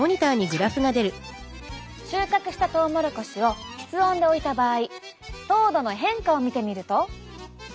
収穫したトウモロコシを室温で置いた場合糖度の変化を見てみると。